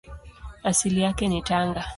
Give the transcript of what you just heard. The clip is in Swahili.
Asili yake ni Tanga.